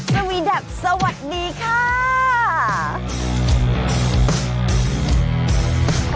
กวีดับสวัสดีค่ะ